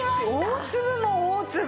大粒も大粒！